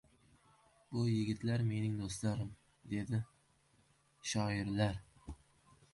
— Bu yigitlar mening do‘stlarim, — dedi. — Shoirlar!